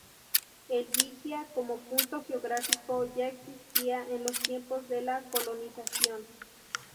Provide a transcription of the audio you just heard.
El Vigía como punto geográfico, ya existía en los tiempos de la colonización.